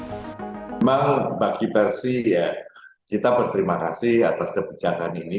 memang bagi persi ya kita berterima kasih atas kebijakan ini